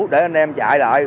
để anh em chạy lại